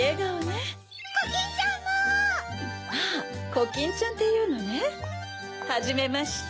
コキンちゃんっていうのねはじめまして。